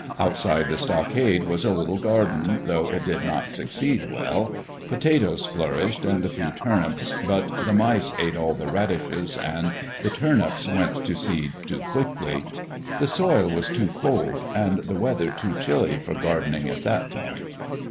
Outside the stockade was a little garden, though it did not succeed well. Potatoes flourished and a few turnips, but the mice ate all the radishes, and the turnips went to seed too quickly. The soil was too cold and the weather too chilly for gardening at that point.